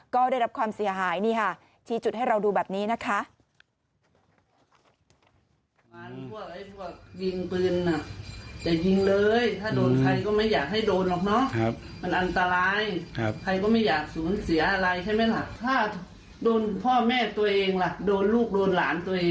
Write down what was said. ก็ได้รับความเสียหายนี่ค่ะชี้จุดให้เราดูแบบนี้นะคะ